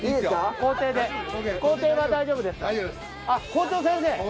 校長先生？